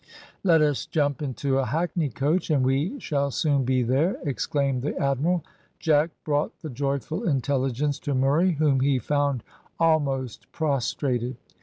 "Let us jump into a hackney coach, and we shall soon be there," exclaimed the admiral. Jack brought the joyful intelligence to Murray, whom he found almost prostrated.